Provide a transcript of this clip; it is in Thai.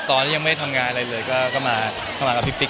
ตอนเมื่อยังไม่ได้ทำงานอะไรเลยก็เข้ามากับพี่ปิ๊ก